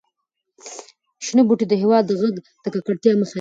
شنه بوټي د هوا او غږ د ککړتیا مخه نیسي.